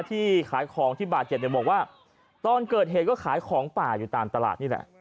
ที่ขายของที่บาดเจ็บเนี่ยบอกว่าตอนเกิดเหตุก็ขายของป่าอยู่ตามตลาดนี่แหละ